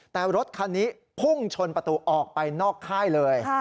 แต่รถคันนี้พุ่งชนประตูออกไปนอกค่ายเลย